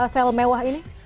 sel mewah ini